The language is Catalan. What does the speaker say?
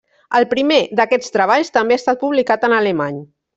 El primer d'aquests treballs també ha estat publicat en alemany.